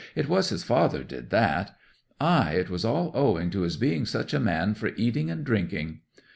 'It was his father did that. Ay, it was all owing to his being such a man for eating and drinking.